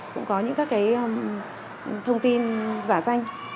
cũng có những các cái thông tin giả danh